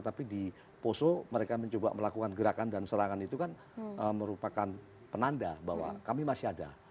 tapi di poso mereka mencoba melakukan gerakan dan serangan itu kan merupakan penanda bahwa kami masih ada